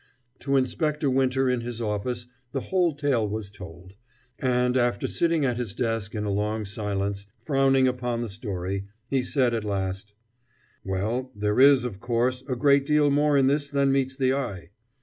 To Inspector Winter in his office the whole tale was told; and, after sitting at his desk in a long silence, frowning upon the story, he said at last: "Well, there is, of course, a great deal more in this than meets the eye."